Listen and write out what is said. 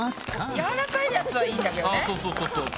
やわらかいやつはいいんだけどね。